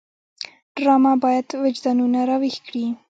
ډرامه باید وجدانونه راویښ کړي